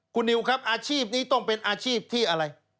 คุณนิวครับอาชีพนี้ต้องเป็นอาชีพที่อะไร